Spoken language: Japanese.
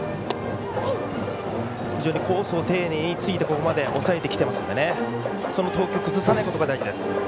非常にコースを丁寧についてここまで抑えてきていますのでその投球を崩さないことが大事です。